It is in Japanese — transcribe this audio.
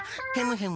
ヘム！